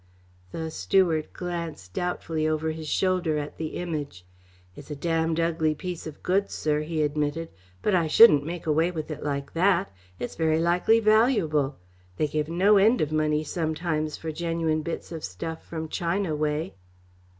The steward glanced doubtfully over his shoulder at the Image. "It's a damned ugly piece of goods, sir," he admitted, "but I shouldn't make away with it like that. It's very likely valuable. They give no end of money sometimes for genuine bits of stuff from China way."